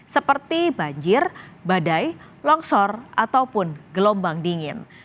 seperti banjir badai longsor ataupun gelombang dingin